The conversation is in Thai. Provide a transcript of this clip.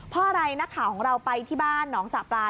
เพราะอะไรนักข่าวของเราไปที่บ้านหนองสระปลา